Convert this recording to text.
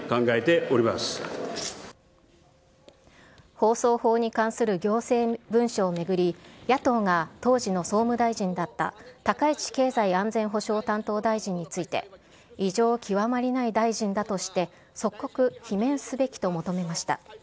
放送法に関する行政文書を巡り、野党が当時の総務大臣だった高市経済安全保障担当大臣について、異常極まりない大臣だとして即刻、罷免すべきと求めました。